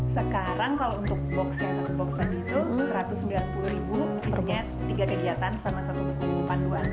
sekarang kalau untuk box ya satu box tadi itu satu ratus sembilan puluh isinya tiga kegiatan sama satu buku buku panduan